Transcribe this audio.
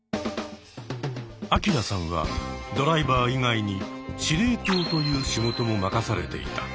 アキラさんはドライバー以外に司令塔という仕事も任されていた。